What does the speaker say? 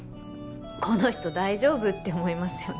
この人大丈夫？って思いますよね